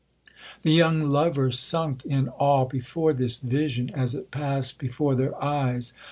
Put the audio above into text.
The young lovers sunk in awe before this vision as it passed before their eyes.